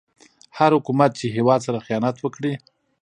هر حکومت چې هيواد سره خيانت وکړي